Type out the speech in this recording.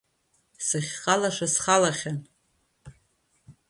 Сахьхалаша схалахьан.